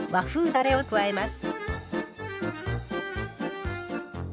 だれを加えます。